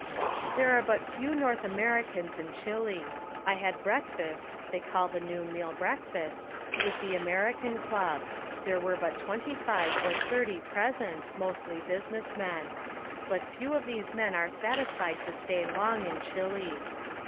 There are but few North Americans in Chile. I had breakfast (they call the noon meal breakfast) with the American Club. There were but twenty five or thirty present, mostly business men. But few of these men are satisfied to stay long in Chile.